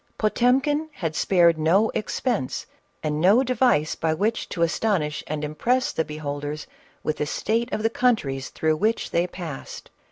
Potemkin had spared no expense and no device by which to astonish and impress the beholders with the state of the countries through which they passed.